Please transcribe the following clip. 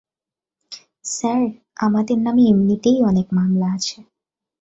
Sir, আমাদের নামে এমনিতেই অনেক মামলা আছে।